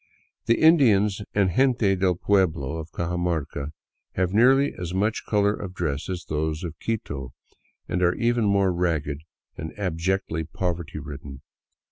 The Indians and gente del pueblo of Cajamarca have nearly as much color of dress as those of Quito, and are even more ragged and ab jectly poverty ridden.